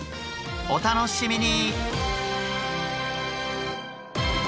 お楽しみに！